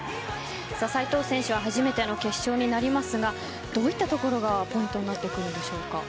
斉藤選手は初めての決勝になりますがどういったところがポイントになりますか。